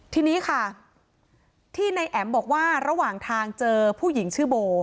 ทีนี้ค่ะที่ในแอ๋มบอกว่าระหว่างทางเจอผู้หญิงชื่อโบ